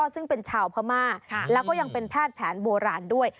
ซึ่งเป็นชาวพม่าแล้วก็ยังเป็นแพทย์แผนโบราณด้วย